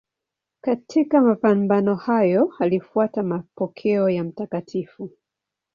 Katika mapambano hayo alifuata mapokeo ya Mt.